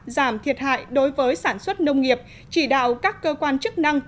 giảm thiệt hại đối với sản xuất nông nghiệp chỉ đạo các cơ quan chức năng